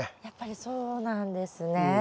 やっぱりそうなんですね。